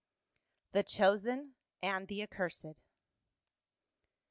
THE CHOSEN AND THE ACCURSED.